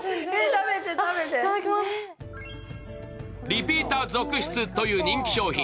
リピーター続出という人気商品